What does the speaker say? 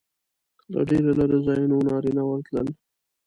له ډېرو لرې ځایونو نارینه ورتلل.